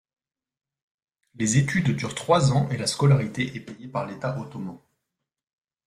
Les études durent trois ans et la scolarité est payée par l'État ottoman.